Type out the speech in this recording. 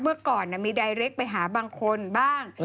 เมื่อก่อนมีใดเล็กไปหาบางคนบ้าง